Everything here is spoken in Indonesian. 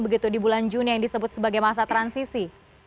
begitu di bulan juni yang disebut sebagai masa transisi